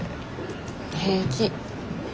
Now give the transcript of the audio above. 平気。